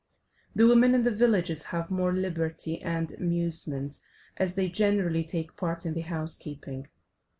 The women in the villages have more liberty and amusement, as they generally take part in the housekeeping.